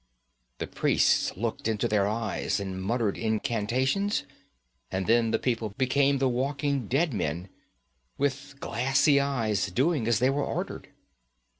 The priests looked into their eyes and muttered incantations, and then the people became the walking dead men, with glassy eyes, doing as they were ordered.